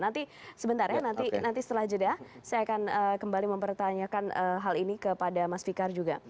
nanti sebentar ya nanti setelah jeda saya akan kembali mempertanyakan hal ini kepada mas fikar juga